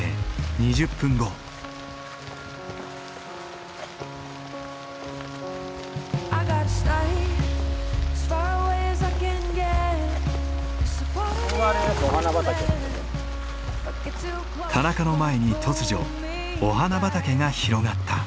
田中の前に突如お花畑が広がった。